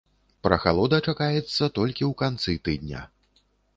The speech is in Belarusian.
Прахалода чакаецца толькі ў канцы тыдня.